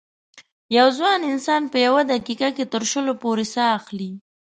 یو ځوان انسان په یوه دقیقه کې تر شلو پورې سا اخلي.